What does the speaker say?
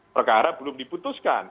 perkara belum diputuskan